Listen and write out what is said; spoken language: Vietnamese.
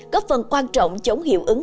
có phần quan trọng chống hiệu ứng